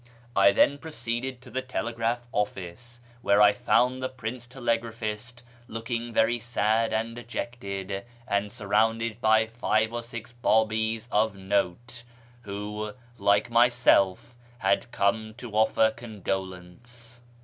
I then proceeded to the telegraph office, where I found the Prince Telegraphist looking very sad and dejected, and surrounded by five or six Babis of note, who, like myself, had come to offer condolence.